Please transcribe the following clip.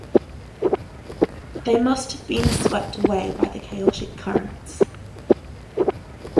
They must have been swept away by the chaotic currents.